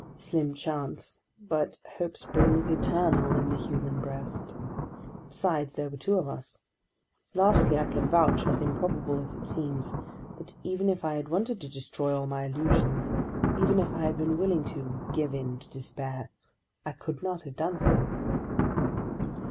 Slim chance, but hope springs eternal in the human breast! Besides, there were two of us. Lastly, I can vouch—as improbable as it seems—that even if I had wanted to destroy all my illusions, even if I had been willing to "give in to despair," I could not have done so!